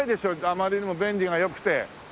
あまりにも便利が良くて。